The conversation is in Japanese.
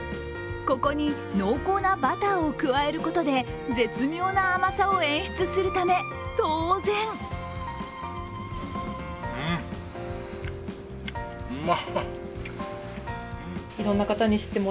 ここに濃厚なバターを加えることで絶妙な甘さを演出するため、当然うん、うま。